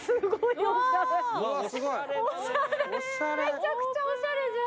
めちゃくちゃおしゃれじゃん。